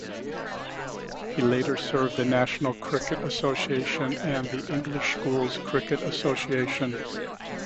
He later served the National Cricket Association and the English Schools Cricket Association.